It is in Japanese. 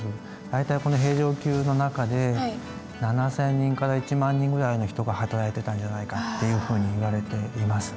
大体この平城宮の中で７，０００人から１万人ぐらいの人が働いてたんじゃないかっていうふうにいわれています。